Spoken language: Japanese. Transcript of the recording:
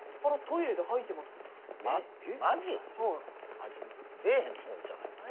あいつ出えへんつもりちゃうん？